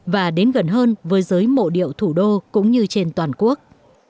và đến gần hơn với giới mộ điệu thủ đô cũng như trên toàn quốc